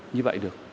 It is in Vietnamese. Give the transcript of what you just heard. như vậy được